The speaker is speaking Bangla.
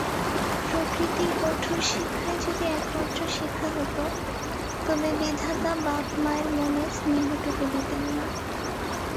প্রকৃতির কঠোর শিক্ষাই যদি একমাত্র শিক্ষা হত তবে বিধাতা বাপমায়ের মনে স্নেহটুকু দিতেন না।